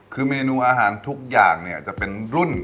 คือเมนูอาหารทุกอย่างเนี่ยจะเป็นรุ่น